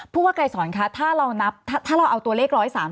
ผู้ว่าใกล้สอนค่ะถ้าเราเอาตัวเลข๑๓๒